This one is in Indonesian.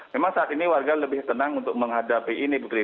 memang saat ini warga lebih tenang untuk menghadapi ini putri